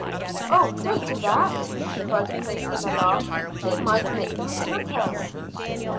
"Oh, don't do that," cried Chris, in alarm. "It might make them attack us."